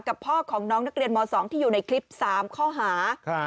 พ่อของน้องนักเรียนม๒ที่อยู่ในคลิป๓ข้อหา